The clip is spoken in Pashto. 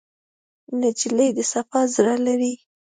نجلۍ د صفا زړه لري.